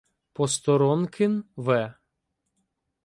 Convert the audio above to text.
Посторонкин В.